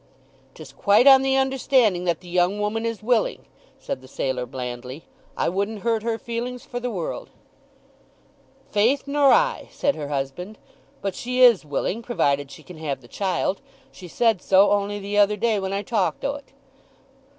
"'Tis quite on the understanding that the young woman is willing," said the sailor blandly. "I wouldn't hurt her feelings for the world." "Faith, nor I," said her husband. "But she is willing, provided she can have the child. She said so only the other day when I talked o't!"